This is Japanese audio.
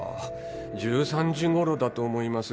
１３時頃だと思います